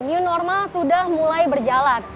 new normal sudah mulai berjalan